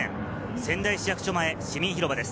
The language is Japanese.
仙台市役所前市民広場です。